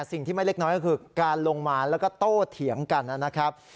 สิ่งที่ไม่เล็กน้อยก็คือการลงมาแล้วก็โตเถียงกันนะครับ